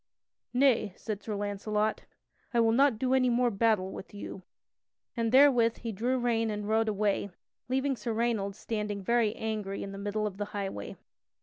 "Nay," said Sir Launcelot, "I will not do any more battle with you." And therewith he drew rein and rode away, leaving Sir Raynold standing very angry in the middle of the highway.